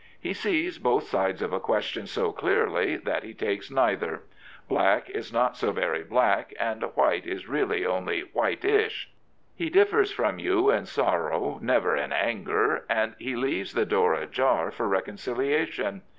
He sees both sides of a question so clearly that he takes neither. Black is not so very 124 The Primate black, and white is really only whitish. He differs from you in sorrow, never in anger, and he leaves the door ajar for reconciliation.